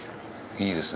いいですね。